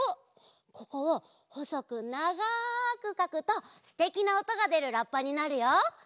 ここをほそくながくかくとすてきなおとがでるラッパになるよ！